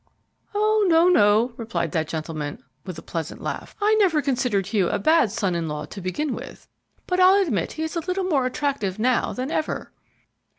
"Oh, no, no," replied that gentleman, with a pleasant laugh. "I never considered Hugh a bad son in law to begin with, but I'll admit he is a little more attractive now than ever."